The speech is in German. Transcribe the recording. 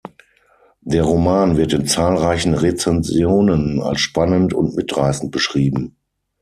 Der Roman wird in zahlreichen Rezensionen als spannend und mitreißend beschrieben.